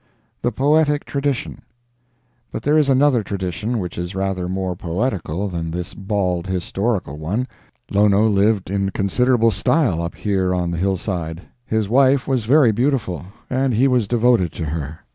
THE POETIC TRADITION But there is another tradition which is rather more poetical than this bald historical one. Lono lived in considerable style up here on the hillside. His wife was very beautiful, and he was devoted to her.